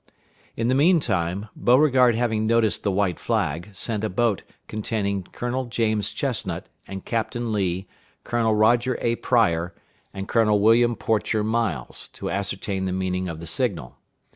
In the mean time, Beauregard having noticed the white flag, sent a boat containing Colonel James Chestnut, and Captain Lee, Colonel Roger A. Pryor, and Colonel William Porcher Miles, to ascertain the meaning of the signal.